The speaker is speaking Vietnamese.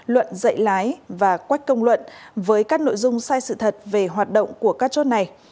luận dạy lái và quách công luận với các nội dung sai sự thật về hoạt động của các chốt này